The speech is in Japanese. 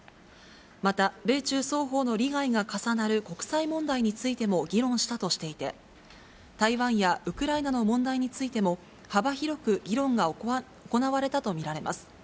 また、米中双方の利害が重なる国際問題についても議論したとしていて、台湾やウクライナの問題についても、幅広く議論が行われたと見られます。